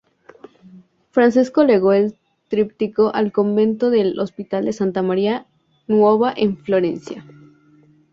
Francesco legó el tríptico al convento del hospital de Santa Maria Nuova en Florencia.